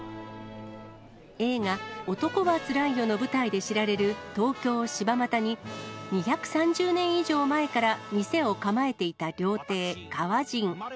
映画、男はつらいよの舞台で知られる東京・柴又に２３０年以上前から店を構えていた料亭、川甚。